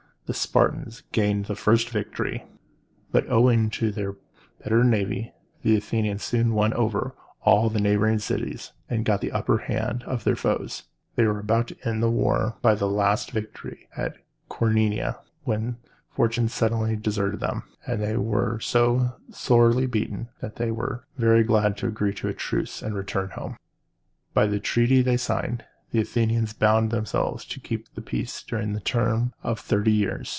The Spartans gained the first victories; but, owing to their better navy, the Athenians soon won over all the neighboring cities, and got the upper hand of their foes. [Illustration: The Acropolis.] They were about to end the war by a last victory at Cor o ne´a, when fortune suddenly deserted them, and they were so sorely beaten that they were very glad to agree to a truce and return home. By the treaty then signed, the Athenians bound themselves to keep the peace during a term of thirty years.